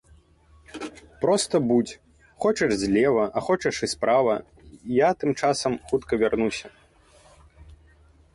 Проста будзь, хочаш злева, а хочаш і справа, я тым часам хутка вярнуся.